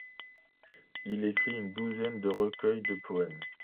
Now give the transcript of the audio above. Il écrit une douzaine de recueils de poèmes.